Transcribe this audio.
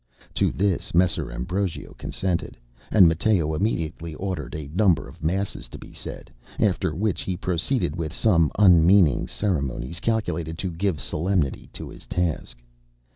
To this Messer Ambrogio consented; and Matteo immediately ordered a number of masses to be said, after which he proceeded with some unmeaning ceremonies calculated to give solemnity to his task.